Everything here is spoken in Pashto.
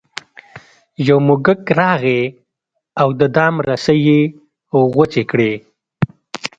یو موږک راغی او د دام رسۍ یې غوڅې کړې.